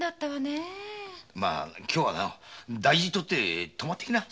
今日は大事をとって泊まっていきな。